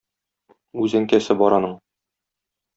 Үз әнкәсе бар аның.